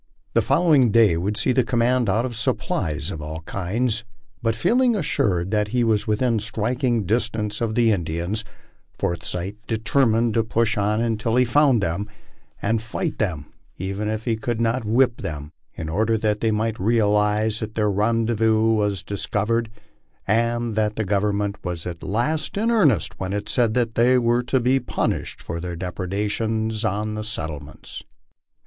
The following day would see the command out of supplies of all kinds ; but feeling assured that he was within striking distance of the Indians, Forsyth determined to push on until he found them, and fight them even if he could not whip them, in order LIFE ON THE PLAINS. 91 that they might realize that their rendezvous was discovered, and that the Government was at last in earnest when it said that they were to be punished for their depredations on the settlements.